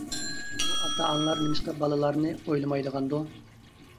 بۇ ئاتا-ئانىلار نېمىشقا بالىلارنى ئويلىمايدىغاندۇ؟ !